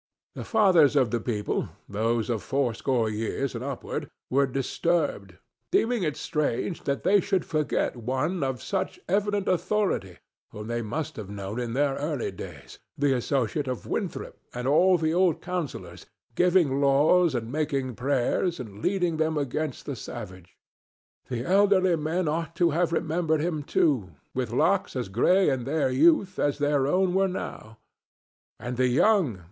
The fathers of the people, those of fourscore years and upward, were disturbed, deeming it strange that they should forget one of such evident authority whom they must have known in their early days, the associate of Winthrop and all the old councillors, giving laws and making prayers and leading them against the savage. The elderly men ought to have remembered him, too, with locks as gray in their youth as their own were now. And the young!